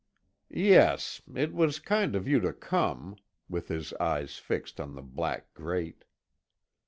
"Yes. It was kind of you to come," with his eyes fixed on the black grate.